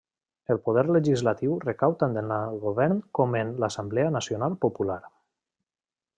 El poder legislatiu recau tant en el Govern com en l'Assemblea Nacional Popular.